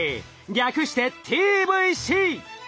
略してＴＶＣ！